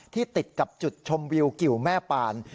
ติดกับจุดชมวิวกิวแม่ปาน